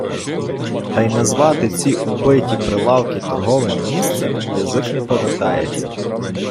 Та й назвати ці убиті прилавки «торговим місцем» язик не повертається.